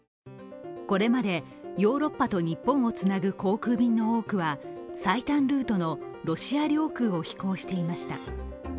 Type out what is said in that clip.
これまでヨーロッパと日本をつなぐ航空便の多くは、最短ルートのロシア領空を飛行していました。